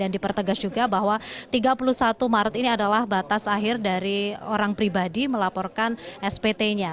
dan dipertegas juga bahwa tiga puluh satu maret ini adalah batas akhir dari orang pribadi melaporkan spt nya